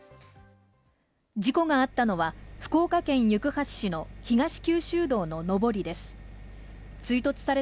事故があったのは福岡県行橋市の東九州道の上りです。